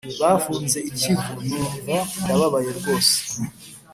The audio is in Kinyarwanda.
Bafunze ikivu numva ndababaye rwose